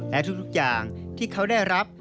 และทุกอย่างที่เขาได้รับ